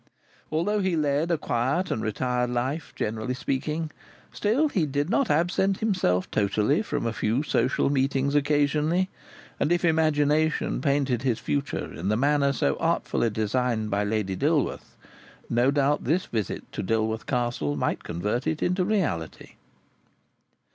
Although he led a quiet and retired life, generally speaking, still he did not absent himself totally from a few social meetings occasionally, and if imagination painted his future in the manner so artfully designed by Lady Dilworth, no doubt this visit to Dilworth Castle might convert it into reality.